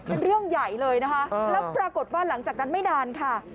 เป็นเรื่องใหญ่เลยนะคะแล้วปรากฏว่าหลังจากนั้นไม่นานค่ะ